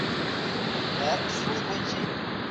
خدای پر انسانانو رحم کوونکی دی.